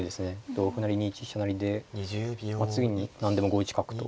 同歩成２一飛車成で次に何でも５一角と。